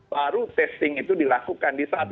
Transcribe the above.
baru testing itu dilakukan di saat